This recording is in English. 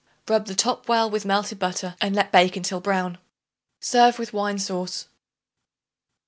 Rub the top well with melted butter and let bake until brown. Serve with wine sauce.